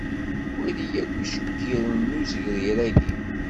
Wali akk iceggiren n uzegrir-agi.